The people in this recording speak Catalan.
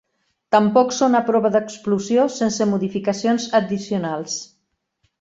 Tampoc són a prova d'explosió sense modificacions addicionals.